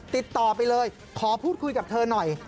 ติดต่อไปเลยขอพูดคุยกับเธอหน่อย